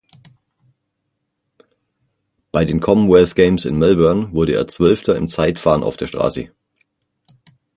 Bei den Commonwealth Games in Melbourne wurde er Zwölfter im Zeitfahren auf der Straße.